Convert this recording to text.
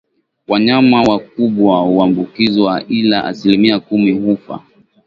Wanyama wakubwa huambukizwa ila asilimia kumi hufa